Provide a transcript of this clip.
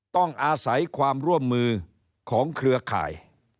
ต้องอาศัยความร่วมมือของเครือข่าย